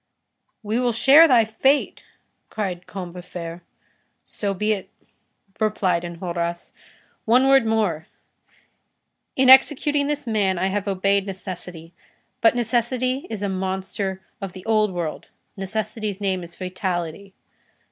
"We will share thy fate," cried Combeferre. "So be it," replied Enjolras. "One word more. In executing this man, I have obeyed necessity; but necessity is a monster of the old world, necessity's name is Fatality.